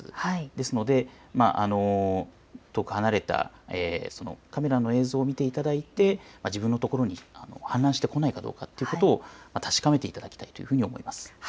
ですのでカメラの映像を見ていただいて自分のところに氾濫してこないかどうか、確かめていただきたいというふうに思います。